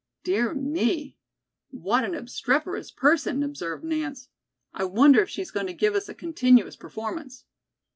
"Dear me, what an obstreperous person," observed Nance. "I wonder if she's going to give us a continuous performance."